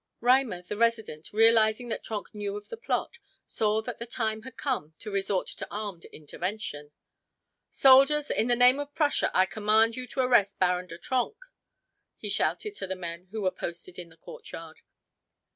Reimer, the resident, realizing that Trenck knew of the plot, saw that the time had come to resort to armed intervention. "Soldiers, in the name of Prussia, I command you to arrest Baron de Trenck!" he shouted to the men who were posted in the courtyard.